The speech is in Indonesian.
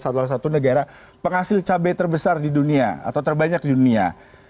salah satu negara penghasil cabai terbesar di dunia atau terbanyak dunia